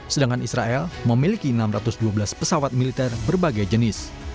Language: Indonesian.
sedangkan israel memiliki enam ratus dua belas pesawat militer berbagai jenis